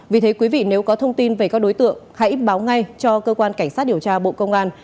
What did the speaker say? vì thế quý vị nếu có thông tin về các đối tượng hãy báo ngay cho cơ quan cảnh sát điều tra bộ công an